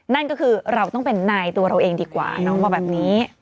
นั่นก็คือเราต้องเป็นนายตัวเราเองดีกว่าน้องบอกแบบนี้